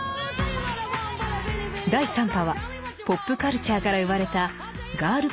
第三波はポップカルチャーから生まれた「ガールパワー」が中心。